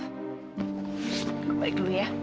aku balik dulu ya